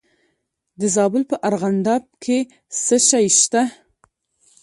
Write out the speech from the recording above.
د زابل په ارغنداب کې څه شی شته؟